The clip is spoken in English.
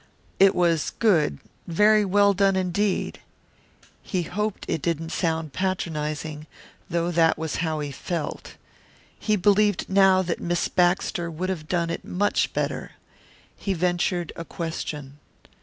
"It was good very well done, indeed." He hoped it didn't sound patronizing, though that was how he felt. He believed now that Miss Baxter would have done it much better. He ventured a question.